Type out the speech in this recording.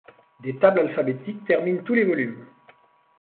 Des tables alphabétiques terminent tous les volumes.